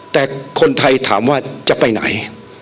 แต่คนไทยถามว่าจะไปไหน